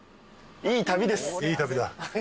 いい旅だ。